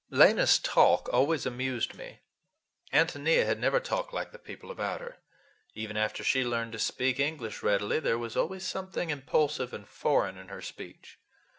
Lena's talk always amused me. Ántonia had never talked like the people about her. Even after she learned to speak English readily there was always something impulsive and foreign in her speech.